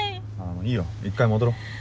いいよ一回戻ろう。